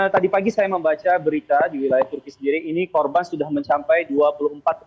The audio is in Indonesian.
tadi pagi saya membaca berita di wilayah turki sendiri ini korban sudah mencapai dua puluh empat orang